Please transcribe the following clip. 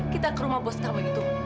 kita ke rumah bos kamu gitu